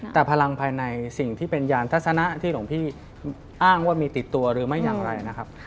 แต่พลังภายในสิ่งที่เป็นยานทัศนะที่หลวงพี่อ้างว่ามีติดตัวหรือไม่อย่างไรนะครับ